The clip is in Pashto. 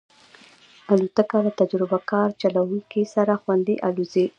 الوتکه له تجربهکار چلونکي سره خوندي الوزي.